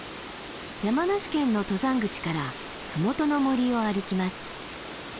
山梨県の登山口から麓の森を歩きます。